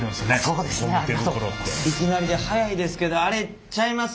いきなりで早いですけどあれちゃいます？